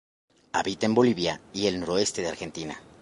Habita en Bolivia y en el noroeste de la Argentina.